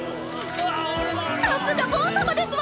さすがボン様ですわ！